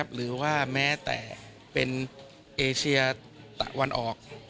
หรือว่าแม้แต่เป็นเอเชียตะวันออก